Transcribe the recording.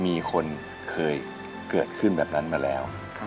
มีคนเคยเกิดขึ้นแบบนั้นมาแล้ว